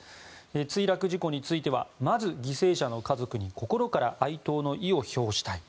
墜落事故についてはまず犠牲者の家族に心から哀悼の意を表したい。